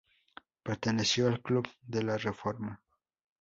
Perteneció al Club de la Reforma.